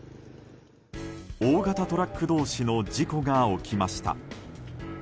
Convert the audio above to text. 大型トラック同士の事故が起きました。